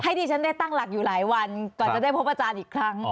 ที่ฉันได้ตั้งหลักอยู่หลายวันก่อนจะได้พบอาจารย์อีกครั้ง